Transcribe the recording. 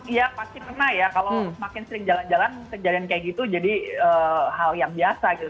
iya pasti pernah ya kalau semakin sering jalan jalan kejadian kayak gitu jadi hal yang biasa gitu